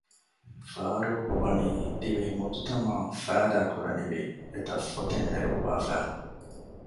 ފާރޫޤް ވަނީ ދިވެހި މުޖުތަމަޢަށް ފައިދާ ކުރުވަނިވި އެތައް ފޮތެއް ނެރުއްވައިފަ